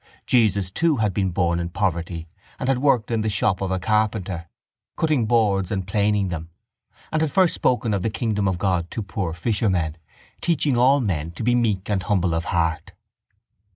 Jesus too had been born in poverty and had worked in the shop of a carpenter, cutting boards and planing them, and had first spoken of the kingdom of God to poor fishermen, teaching all men to be meek and humble of heart.